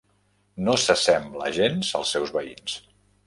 No s'assembla gens als seus veïns.